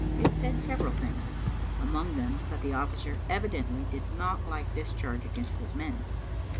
It said several things, among them that the ojB&cer evidently did not like this charge against his men.